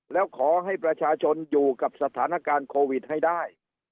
แล้วขอให้ประชาชนอยู่กับสถานการณ์โควิดให้ได้